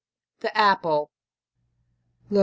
THE APPLE. Lo!